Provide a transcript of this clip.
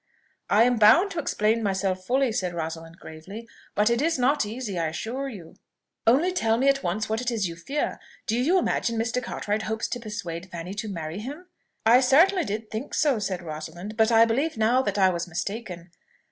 "I am bound to explain myself fully," said Rosalind gravely; "but it is not easy, I assure you." "Only tell me at once what it is you fear. Do you imagine Mr. Cartwright hopes to persuade Fanny to marry him?" "I certainly did think so," said Rosalind; "but I believe now that I was mistaken."